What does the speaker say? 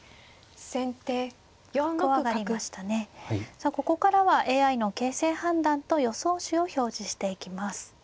さあここからはＡＩの形勢判断と予想手を表示していきます。